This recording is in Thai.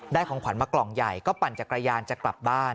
ของขวัญมากล่องใหญ่ก็ปั่นจักรยานจะกลับบ้าน